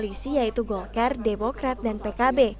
koalisi yaitu golkar demokrat dan pkb